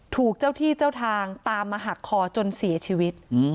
ถูกเจ้าที่เจ้าทางตามมาหักคอจนเสียชีวิต